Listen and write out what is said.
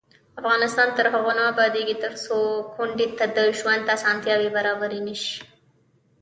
افغانستان تر هغو نه ابادیږي، ترڅو کونډې ته د ژوند اسانتیاوې برابرې نشي.